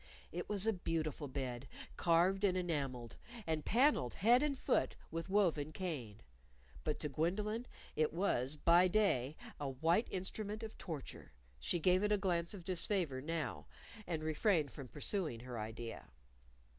It was a beautiful bed, carved and enamelled, and panelled head and foot with woven cane. But to Gwendolyn it was, by day, a white instrument of torture. She gave it a glance of disfavor now, and refrained from pursuing her idea.